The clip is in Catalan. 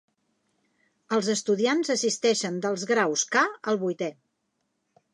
Els estudiants assisteixen dels graus K al vuitè.